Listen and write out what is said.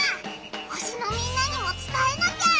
星のみんなにもつたえなきゃ！